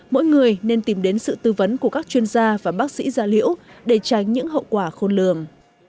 mỗi người nên tìm đến sự tư vấn của các chuyên gia và bác sĩ gia liễu để tránh những hậu quả khôn lường